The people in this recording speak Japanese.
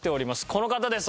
この方です。